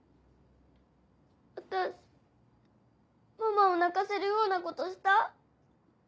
私ママを泣かせるようなことした？